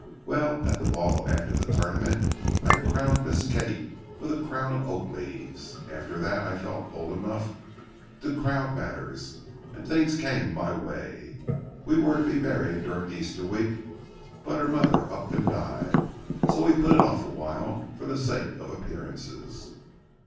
Well, at the ball after the tournament I crowned Miss Kate with a crown of oak leaves. After that I felt bold enough to crowd matters, and things came my way. We were to be married during Easter week, but her mother up and died, so we put it off awhile for the sake of appearances.